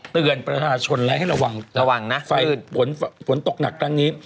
เตือนประชาชนแล้วให้ระวังระวังนะไฟฝนฝนตกหนักครั้งนี้